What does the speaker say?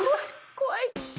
怖い。